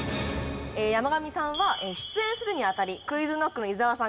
山上さんは出演するにあたりクイズノックの伊沢さん